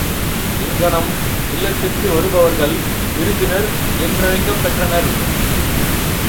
இங்ஙனம் இல்லத்திற்கு வருபவர்கள் விருந்தினர் என்றழைக்கப் பெற்றனர்.